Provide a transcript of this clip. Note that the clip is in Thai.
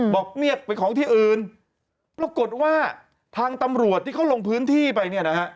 บอกเนี่ยเป็นของที่อื่นปรากฏว่าทางตำรวจที่เขาลงพื้นที่ไปเนี่ยนะฮะ